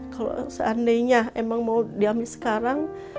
kalau seandainya emang mau diambil sekarang